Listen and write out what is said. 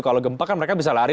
kalau gempa kan mereka bisa lari